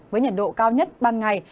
với nhiệt độ cao nhất ban ngày